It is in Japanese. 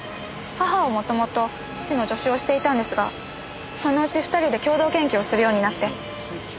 母は元々父の助手をしていたんですがそのうち２人で共同研究をするようになって。